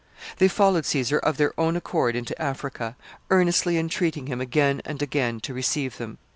They followed Caesar of their own accord into Africa, earnestly entreating him again and again to receive them.